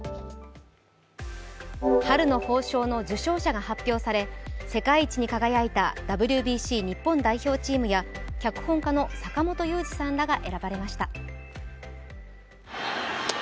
春の褒章の受章者が発表され世界一に輝いたＷＢＣ日本代表チームや脚本家の坂元裕二さんらが選ばれました。